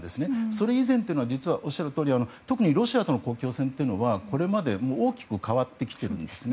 それ以前というのはおっしゃるとおり特にロシアとの国境線というのはこれまでとは大きく変わってきているんですね。